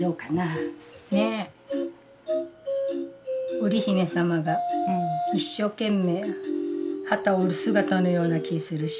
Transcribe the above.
織姫様が一生懸命機を織る姿のような気するし。